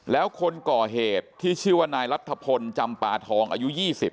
แล้วคนก่อเหตุที่ชื่อว่านายรัฐพลจำปาทองอายุ๒๐